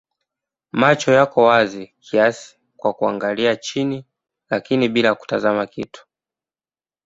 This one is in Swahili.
Macho yako wazi kiasi kwa kuangalia chini lakini bila kutazama kitu.